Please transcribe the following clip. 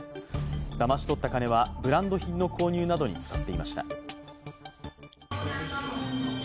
だまし取った金はブランド品の購入などに使っていました。